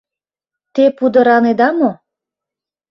Те пудыранеда мо?